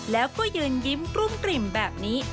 แล้วก็ยืนยิ้มกลุ้มกลิ่มแบบนี้